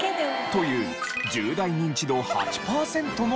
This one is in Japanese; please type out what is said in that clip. という１０代ニンチド８パーセントの曲が。